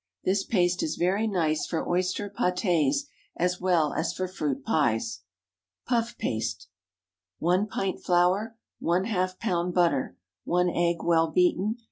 This paste is very nice for oyster pâtés as well as for fruit pies. PUFF PASTE. 1 pint flour. ½ lb. butter. 1 egg, well beaten.